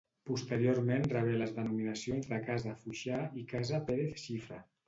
Posteriorment rebé les denominacions de casa Foixà i casa Pérez Xifra.